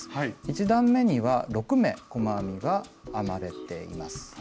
１段めには６目細編みが編まれています。